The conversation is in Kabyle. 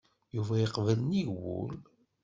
Yuba yeqbel nnig wul.